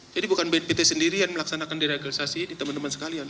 jadi bukan bnpt sendirian melaksanakan diradikalisasi ini teman teman sekalian